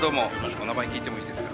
お名前聞いてもいいですか？